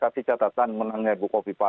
kasih catatan menangnya ibu kofifa